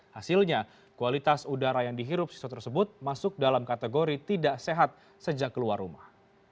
hasilnya kualitas udara yang dihirup siswa tersebut masuk dalam kategori tidak sehat sejak keluar rumah